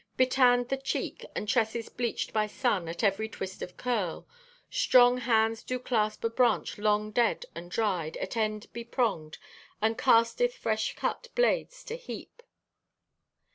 "Betanned the cheek, and tresses bleached by sun at every twist of curl. Strong hands do clasp a branch long dead and dried, at end bepronged, and casteth fresh cut blades to heap."